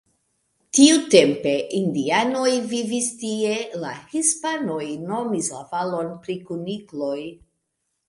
Tiutempe indianoj vivis tie, la hispanoj nomis la valon pri kunikloj.